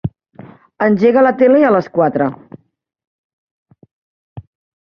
Engega la tele a les quatre.